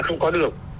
không có đường